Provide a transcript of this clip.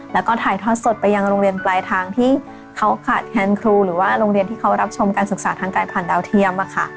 แล้วก็ถ่ายทอดสดไปยังโรงเรียนปลายทางที่เขาขาดแคนครูหรือว่าโรงเรียนที่เขารับชมการศึกษาทางการผ่านดาวเทียม